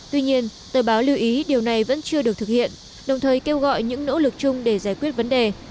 tuy nhiên tờ báo lưu ý điều này vẫn chưa được thực hiện đồng thời kêu gọi những nỗ lực chung để giải quyết vấn đề